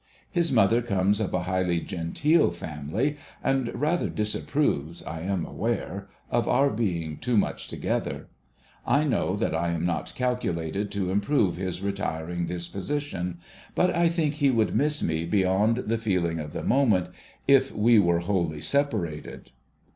His mother comes of a highly genteel family, and rather disapproves, I am aware, of our being too much together. I know that I am not calculated to improve his retiring disposition ; but I think he would miss me beyond the feeling of the moment if we were wholly separated.